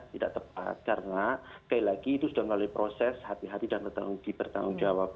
tidak tepat karena sekali lagi itu sudah melalui proses hati hati dan bertanggung jawab